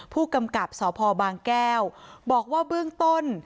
ผู้กำกับสพบางแก้วบอกว่าเบื้องต้น